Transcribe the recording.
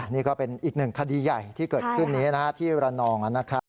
นี่ก็เป็นอีกหนึ่งคดีใหญ่ที่เกิดขึ้นนี้ที่ระนองนะครับ